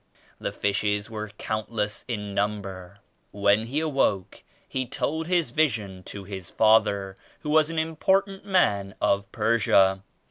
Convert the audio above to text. The fishes were countless in number. When He awoke He told His vision to His father who was an important man of Persia.